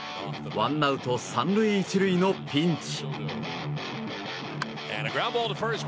ワンアウト３塁１塁のピンチ。